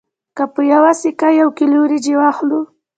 که په یوه سکه یو کیلو وریجې واخلو